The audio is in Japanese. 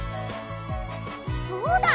そうだ！